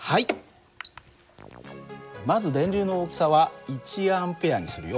まず電流の大きさは１Ａにするよ。